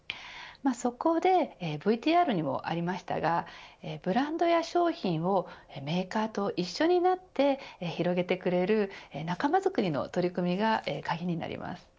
そこで、ＶＴＲにもありましたがブランドや商品をメーカーと一緒になって広げてくれる仲間作りの取り組みが鍵になります。